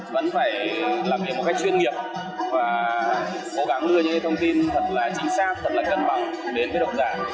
vẫn phải làm việc một cách chuyên nghiệp và cố gắng đưa những thông tin thật là chính xác thật là cân bằng đến với độc giả